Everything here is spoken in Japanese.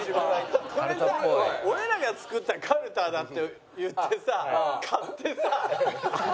これさ俺らが作ったかるただって言ってさ買ってさ。